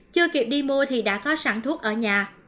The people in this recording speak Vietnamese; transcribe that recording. chưa kịp đi mua thì đã có sản thuốc ở nhà